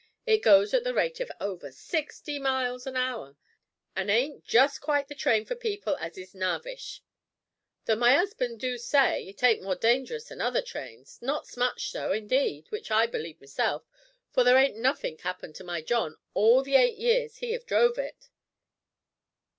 It goes at the rate of over sixty miles an hour, an' ain't just quite the train for people as is narvish though my 'usband do say it ain't more dangerous than other trains not s'much so, indeed, wich I believe myself, for there ain't nothink 'appened to my John all the eight years he have drove it."